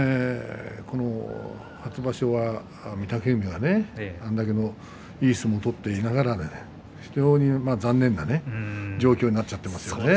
初場所は御嶽海があれだけのいい相撲を取っていながら非常に残念な状況になっちゃっていますよね。